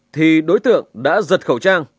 thì đối tượng đã giật khẩu trang